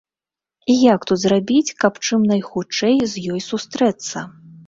І як тут зрабіць, каб чым найхутчэй з ёй сустрэцца?